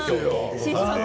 新種発見